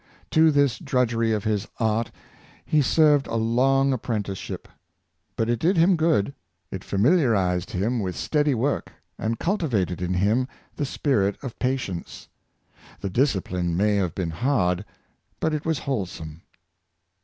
To this drudgery of his art he served a long appren ticeship; but it did him good. It familiarized him with steady work, and cultivated in him the spirit of pa tience. The discipline may have been hard, but it was wholesome.